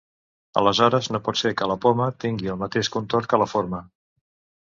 Aleshores, no pot ser que la poma tingui el mateix contorn que la forma.